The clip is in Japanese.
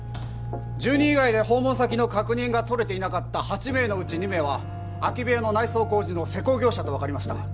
住人以外で訪問先の確認が取れていなかった８名のうち２名は空き部屋の内装工事の施工業者と分かりました